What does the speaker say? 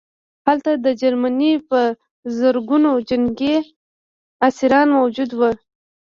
هلته د جرمني په زرګونه جنګي اسیران موجود وو